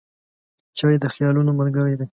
چای د خیالونو ملګری دی.